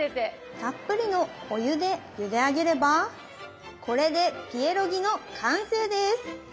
たっぷりのお湯でゆで上げればこれでピエロギの完成です！